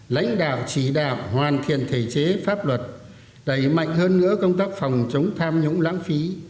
lãnh đạo chỉ đạo hoàn thiện thể chế pháp luật đẩy mạnh hơn nữa công tác phòng chống tham nhũng lãng phí